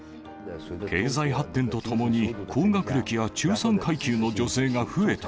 経済発展とともに、高学歴や中産階級の女性が増えた。